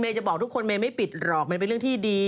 จะบอกทุกคนเมย์ไม่ปิดหรอกมันเป็นเรื่องที่ดี